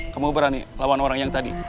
kamu berani lawan orang yang tadi